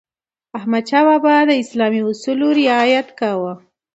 احمدشاه بابا د اسلامي اصولو رعایت کاوه.